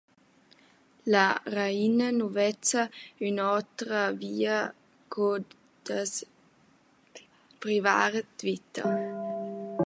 La raina nu vezza ün’otra via co da’s privar d’vita.